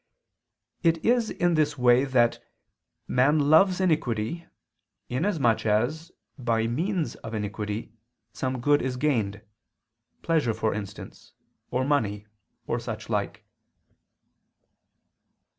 It is in this way that man "loves iniquity," inasmuch as, by means of iniquity, some good is gained; pleasure, for instance, or money, or such like.